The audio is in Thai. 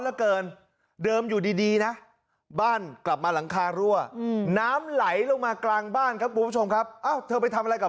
เหลือเกินเดิมอยู่ดีนะบ้านกลับมาหลังคารั่วน้ำไหลลงมากลางบ้านครับคุณผู้ชมครับเอ้าเธอไปทำอะไรกับ